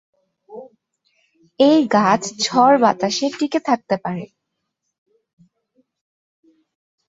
এই গাছ ঝড়-বাতাসে টিকে থাকতে পারে।